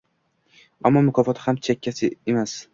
Ammo mukofoti ham chakki emas.